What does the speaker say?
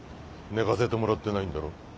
寝かせてもらってないんだろ。